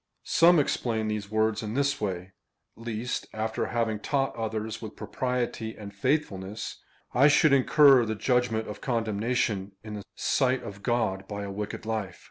Some explain these words in this way —" Lest, after having taught others with propriety and faithfulness, I should incur the judgment of condemnation in the sight of God by a wicked life."